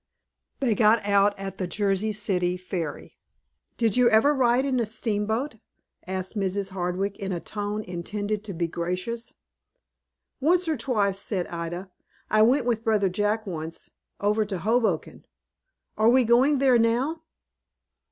They got out at the Jersey City ferry. "Did you ever ride in a steamboat?" asked Mrs. Hardwick, in a tone intended to be gracious. "Once or twice," said Ida. "I went with brother Jack once, over to Hoboken. Are we going there, now?"